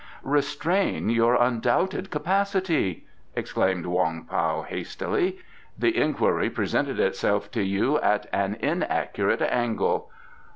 "Restrain your undoubted capacity," exclaimed Wong Pao hastily. "The inquiry presented itself to you at an inaccurate angle.